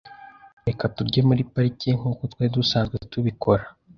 Reka turye muri parike nkuko twari dusanzwe tubikora.